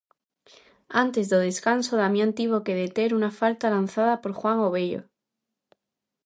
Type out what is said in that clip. Antes do descanso Damián tivo que deter unha falta lanzada por Juan o Bello.